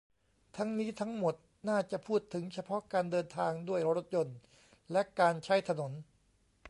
ทั้งนี้ ทั้งหมดน่าจะพูดถึงเฉพาะการเดินทางด้วยรถยนต์และการใช้ถนน